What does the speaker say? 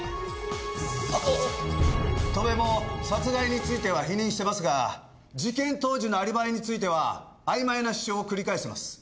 戸辺も殺害については否認してますが事件当時のアリバイについてはあいまいな主張を繰り返してます。